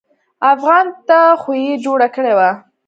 افغان ته خو يې جوړه کړې وه.